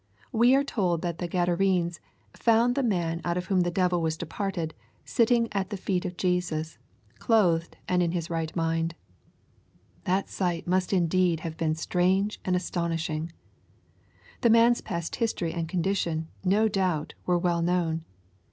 We are told that the Gadarenes ^^ found the man out of whom the devil was departed, sitting at the feet of Jesus, clothed, and in his right mind/' That sight must indeed have been strange and astonishing I The man's past history and condition, no doubt, were well known.